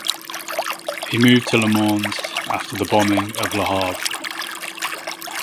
He moved to Le Mans after the bombing of Le Havre.